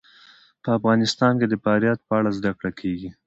په افغانستان کې د فاریاب په اړه زده کړه کېږي.